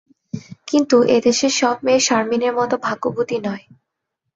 কিন্তু এ দেশের সব মেয়ে শারমিনের মতো ভাগ্যবতী নয়।